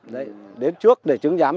đấy đến trước để chứng giám